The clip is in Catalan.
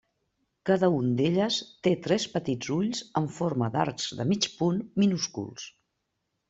Cada un d'elles té tres petits ulls amb forma d'arcs de mig punt minúsculs.